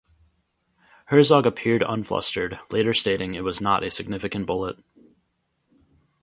Herzog appeared unflustered, later stating It was not a significant bullet.